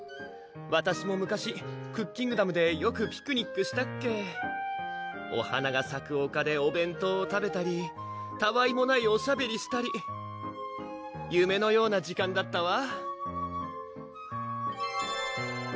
わたしも昔クッキングダムでよくピクニックしたっけお花がさく丘でお弁当を食べたりたわいもないおしゃべりしたり夢のような時間だったわ